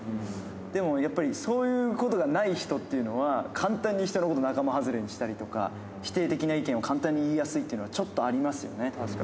でもやっぱり、そういうことがない人というのは、簡単に人のこと仲間外れにしたりとか、否定的な意見を簡単に言いやすいっていうのは、ちょっとありますよね、確かに。